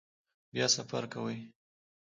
بیا سفر کوئ؟